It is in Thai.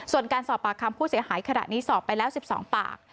ส่วนการสอบปากคำผู้เสียหายขณะนี้สอบไปแล้ว๑๒ปาก